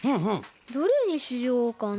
どれにしようかな。